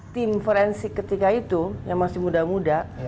tim forensik ketika itu yang masih muda muda